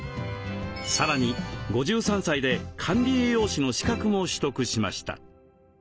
さらに５３歳で管理栄養士の資格も取得しました。